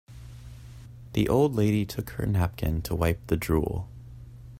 The old lady took her napkin to wipe the drool.